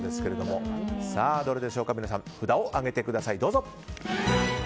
さあ、どれでしょうか皆さん、札を上げてください。